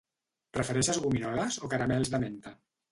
Prefereixes gominoles o caramels de menta?